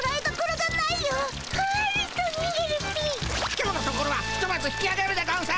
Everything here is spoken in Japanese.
今日のところはひとまず引きあげるでゴンス。